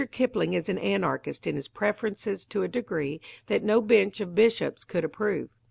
Kipling is an anarchist in his preferences to a degree that no bench of bishops could approve.